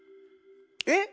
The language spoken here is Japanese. えっ。